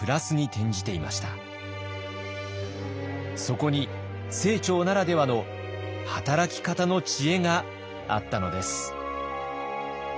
そこに清張ならではの働き方の知恵があったのです。